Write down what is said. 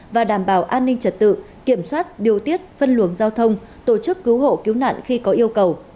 và đảm bảo an ninh trật tự kiểm soát điều tiết phân luồng giao thông tổ chức cứu hộ cứu nạn khi có yêu cầu